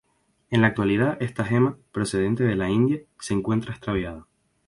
En la actualidad esta gema, procedente de la India, se encuentra extraviada.